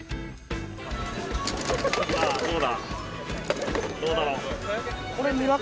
さあ、どうだ？